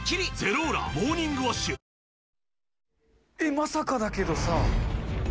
まさかだけどさ。